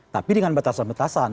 tapi dengan batasan batasan